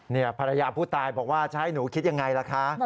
ภรรยาผู้ตายบอกว่าจะให้หนูคิดยังไงล่ะคะ